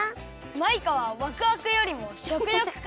マイカはわくわくよりもしょくよくか！